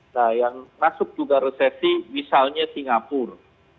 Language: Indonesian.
nah yang masuk juga resesi misalnya singapura